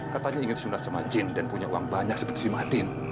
katanya ingin disunat sama jin dan punya uang banyak seperti si madin